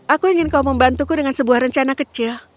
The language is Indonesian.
aku ingin kau membantuku dengan sebuah rencana kecil